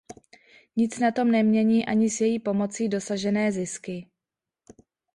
Nic na tom nemění ani s její pomocí dosažené zisky.